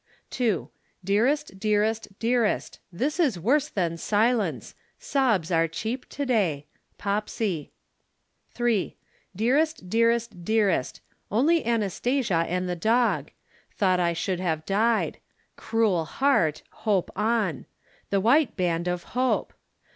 "'2. Dearest, dearest, dearest. This is worse than silence. Sobs are cheap to day. POPSY. "'3. Dearest, dearest, dearest. Only Anastasia and the dog. Thought I should have died. Cruel heart, hope on. The white band of hope!